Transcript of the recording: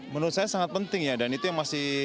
menurut saya sangat penting ya dan itu yang masih